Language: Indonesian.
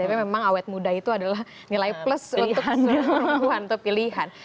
tapi memang awet muda itu adalah nilai plus untuk pilihan